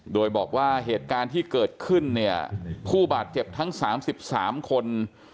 โดยบอกว่าเหตุการณ์ที่เกิดขึ้นเนี่ยผู้บาดเจ็บทั้ง๓๓คน